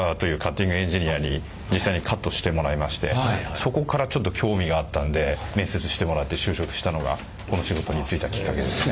その時にそこからちょっと興味があったんで面接してもらって就職したのがこの仕事に就いたきっかけですね。